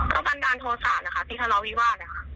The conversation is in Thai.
ก็บรรดาโทษศาสตร์ที่ทะเลาวิว่า